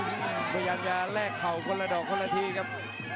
พยายามจะแลกเข่าคนละดอกคนละทีครับ